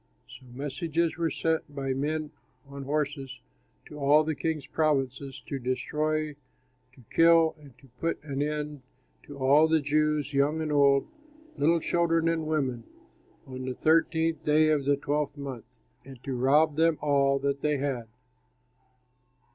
So messages were sent by men on horses to all the king's provinces, to destroy, to kill, and to put an end to all the Jews, young and old, little children and women, on the thirteenth day of the twelfth month, and to rob them of all that they had.